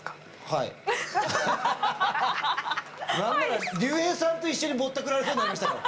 何なら竜兵さんと一緒にぼったくられそうになりましたから。